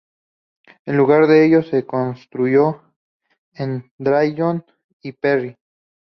En lugar de ello, se construyó en Drayton y Perry.